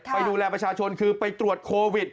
ไปดูแลประชาชนคือไปตรวจโควิด